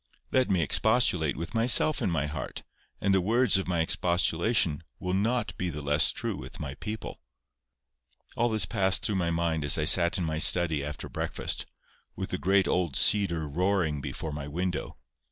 Let me expostulate with myself in my heart, and the words of my expostulation will not be the less true with my people." All this passed through my mind as I sat in my study after breakfast, with the great old cedar roaring before my window.